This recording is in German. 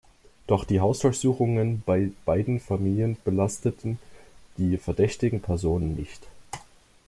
Doch die Hausdurchsuchungen bei beiden Familien belasteten die verdächtigten Personen nicht.